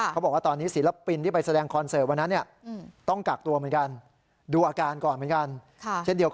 เขาบอกว่าตอนนี้ศิลปินที่ไปแสดงคอนเสิร์ตวันนั้นเนี่ย